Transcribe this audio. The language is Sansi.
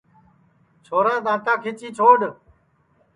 چھورا دؔاتا کیچی چھوڈؔ